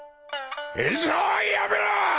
演奏をやめろ！